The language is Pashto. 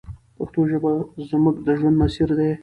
پښتو ژبه زموږ د ژوند مسیر دی.